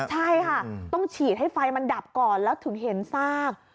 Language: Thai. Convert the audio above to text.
ใช่ค่ะต้องฉีดให้ไฟมันดับก่อนแล้วถึงเห็นซาก